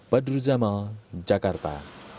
badru zamel jakarta